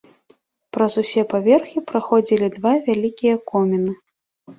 Праз усе паверхі праходзілі два вялікія коміны.